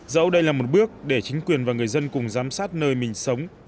dẫu đây là một bước để chính quyền và người dân cùng giám sát nơi mình sống